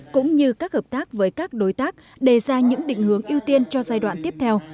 cũng như các hợp tác với các đối tác đề ra những định hướng ưu tiên cho giai đoạn tiếp theo